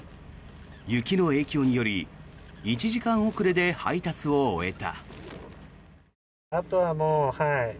雪の影響により１時間遅れで配達を終えた。